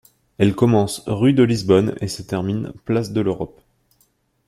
Elle commence rue de Lisbonne et se termine place de l'Europe.